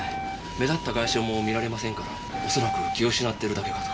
目立った外傷も見られませんから恐らく気を失ってるだけかと。